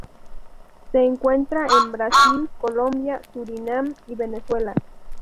Se encuentra en Brasil, Colombia, Surinam y Venezuela.